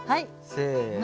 せの。